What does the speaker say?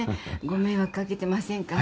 ご迷惑かけてませんか？